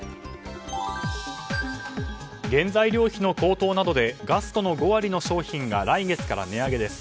原材料費の高騰などでガストの５割の商品が来月から値上げです。